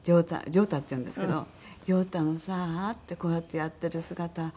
良太っていうんですけど「良太のさこうやってやってる姿おじいちゃん